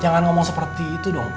jangan ngomong seperti itu dong